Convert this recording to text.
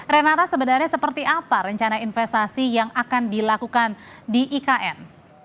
renata sebenarnya seperti apa rencana investasi yang akan dilakukan di ikn